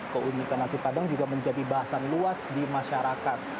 keunikan nasi padang juga menjadi bahasan luas di masyarakat